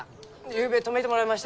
ゆうべ泊めてもらいましたき！